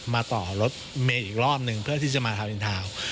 มาต่อรถเมย์อีกรอบหนึ่งเพื่อที่จะมาทาวนอินทาวน์